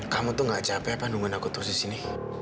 kamu tuh gak capek apa nungguin aku terus disini